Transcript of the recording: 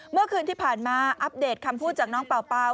เมื่อคืนที่ผ่านมาอัปเดตคำพูดจากน้องเป่า